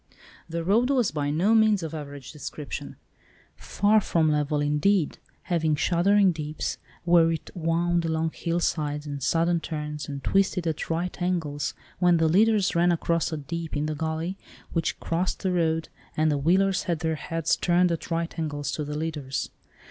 The road was by no means of average description, far from level, indeed, having shuddering deeps, where it wound along hillsides, and sudden turns, and twisted at right angles, when the leaders ran across a dip in the gully, which crossed the road, and the wheelers had their heads turned at right angles to the leaders.